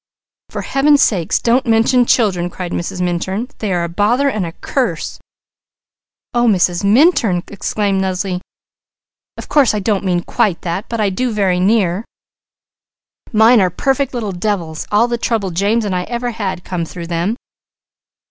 "For Heaven's sake don't mention children!" cried Mrs. Minturn. "They are a bother and a curse!" "Oh Mrs. Minturn!" exclaimed Leslie. "Of course I don't mean quite that; but I do very near! Mine are perfect little devils; all the trouble James and I ever had came through them.